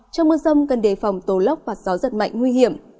trong mưa rông cần đề phòng tố lốc và gió giật mạnh nguy hiểm